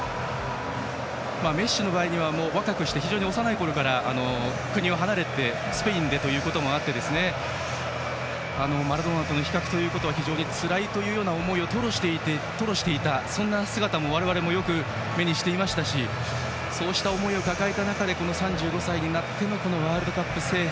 メッシの場合には若くして、非常に幼いころから国を離れてスペインでということもあってマラドーナとの比較はつらいという思いを吐露していた姿も我々もよく目にしていましたしそうした思いを抱えた中で３５歳になってのワールドカップ制覇。